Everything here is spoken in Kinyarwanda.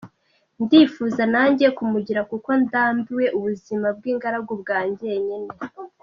Ndifuza nanjye kumugira kuko ndambiwe ubuzima bw’ingaragu bwa njyenyine".